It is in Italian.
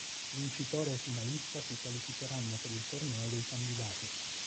Vincitore e finalista si qualificheranno per il torneo dei candidati.